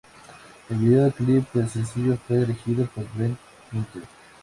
El vídeo clip del sencillo fue dirigido por Brett Ratner.